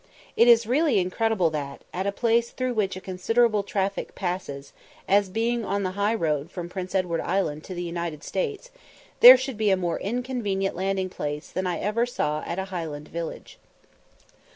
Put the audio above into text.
It is really incredible that, at a place through which a considerable traffic passes, as being on the high road from Prince Edward Island to the United States, there should be a more inconvenient landing place than I ever saw at a Highland village.